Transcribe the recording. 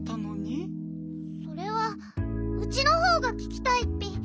それはウチのほうがききたいッピ。